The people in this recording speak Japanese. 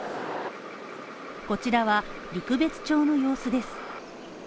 こちらは陸別町の様子です。